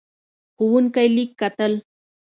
ښوونکی لیک کتل.